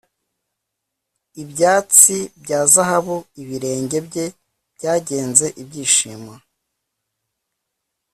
Ibyatsi bya zahabu ibirenge bye byagenze byishimo